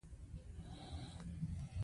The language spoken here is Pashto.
انګلیسي د نړیوال ادب ژبه ده